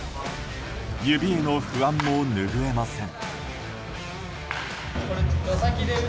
指への不安もぬぐえません。